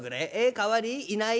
代わりいない？